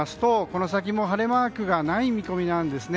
この先も晴れマークがない見込み。